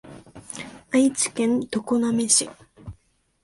愛知県常滑市